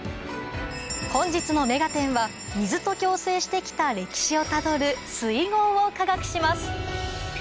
本日の『目がテン！』は水と共生して来た歴史をたどる水郷を科学します